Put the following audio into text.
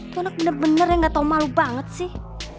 enak bener bener yang gak tau malu banget sih